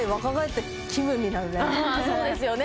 そうですよね